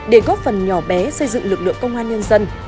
để góp phần nhỏ bé xây dựng lực lượng công an nhân dân